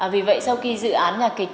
vì vậy sau khi dự án nhà kịch